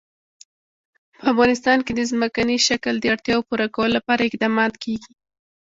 په افغانستان کې د ځمکنی شکل د اړتیاوو پوره کولو لپاره اقدامات کېږي.